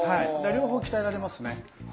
両方鍛えられますね。